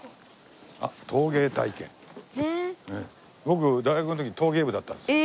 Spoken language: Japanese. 僕大学の時陶芸部だったんですよ。